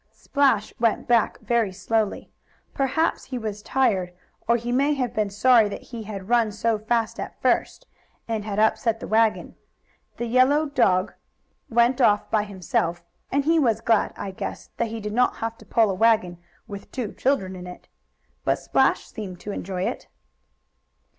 Splash went back very slowly. Perhaps he was tired, or he may have been sorry that he had run so fast at first, and had upset the wagon. The yellow dog went off by himself, and he was glad, I guess, that he did not have to pull a wagon with two children in it. But Splash seemed to enjoy it.